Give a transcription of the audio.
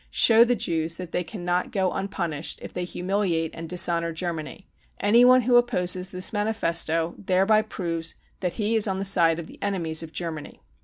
Show the Jews that they cannot go unpunished if they humiliate and dis honour Germany. Anyone who opposes this manifesto 256 BROWN BOOK OF THE HITLER TERROR thereby proves that he is on the side of the enemies of Germany.